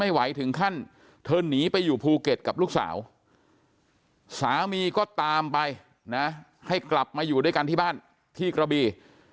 ไหวถึงขั้นเธอหนีไปอยู่ภูเก็ตกับลูกสาวสามีก็ตามไปนะให้กลับมาอยู่ด้วยกันที่บ้านที่กระบี